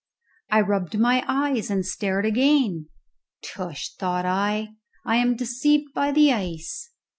I rubbed my eyes and stared again. Tush, thought I, I am deceived by the ice.